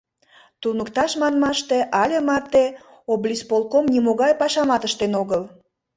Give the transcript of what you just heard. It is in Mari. Туныкташ манмаште, але марте облисполком нимогай пашамат ыштен огыл.